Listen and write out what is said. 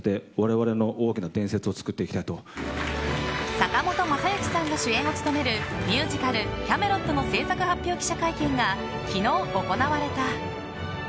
坂本昌行さんが主演を務めるミュージカル「キャメロット」の製作発表記者会見が昨日、行われた。